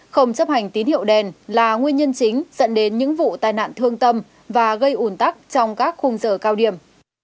không chấp hành tín hiệu đèn là nguyên nhân chính dẫn đến những vụ tai nạn thương tâm và gây ủn tắc trong các khung giờ cao điểm